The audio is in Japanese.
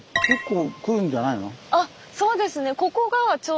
あそうですね。